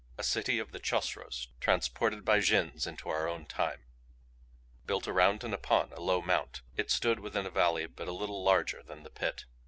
A city of the Chosroes transported by Jinns into our own time. Built around and upon a low mount, it stood within a valley but little larger than the Pit.